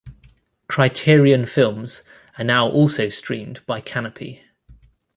Criterion films are now also streamed by Kanopy.